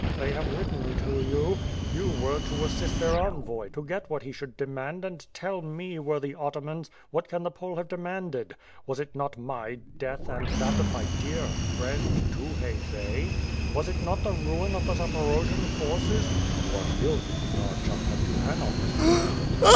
They have written to you; you were to assist their envoy to get what he should demand and tell me, worthy atamans, what can the Pole have demanded. Was it not my death and that of my dear friend Tukhay Bey? Was it not the ruin of the Zaporojian forces? You are guilty, Tatarchuk, and you cannot disprove it.